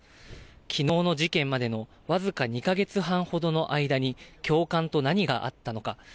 きのうの事件までの僅か２カ月半ほどの間に、教官と何があったのか。